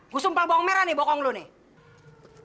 gua sumpah bohong merah nih bokong lu nih